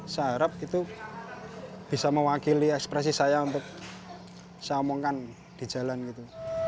saya harap itu bisa mewakili ekspresi saya untuk saya omongkan di jalan gitu